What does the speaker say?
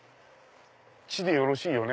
「ち」でよろしいよね。